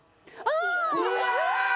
うわ！